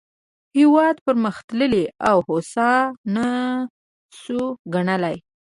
هېواد پرمختللی او هوسا نه شو ګڼلای.